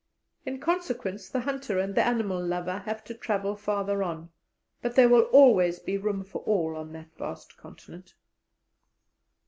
In consequence the hunter and the animal lover have to travel farther on, but there will always be room for all on that vast continent.